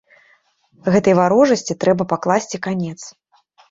Гэтай варожасці трэба пакласці канец.